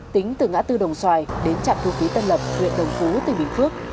tính từ ngã tư đồng xoài đến trạm thu phí tân lập huyện đồng phú tỉnh bình phước